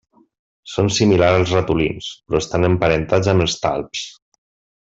Són similars als ratolins, però estan emparentades amb els talps.